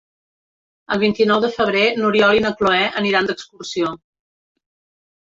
El vint-i-nou de febrer n'Oriol i na Cloè aniran d'excursió.